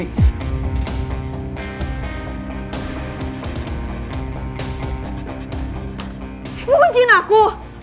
ibu kuncin aku